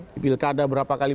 di pilkada berapa kali